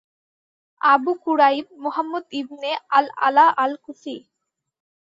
আবু কুরাইব মুহাম্মদ ইবনে আল-আলা আল-কুফি